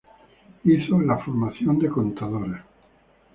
Hizo la formación de contadora.